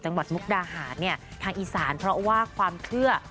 จังหวัดมุกดาหารทางอีสานเพราะว่าความเชื่อ